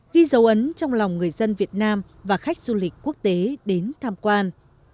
ghi dấu ấn trong lòng người dân việt nam và khách du lịch quốc tế đến tham quan